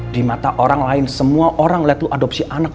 di mata orang lain semua orang melihat itu adopsi anak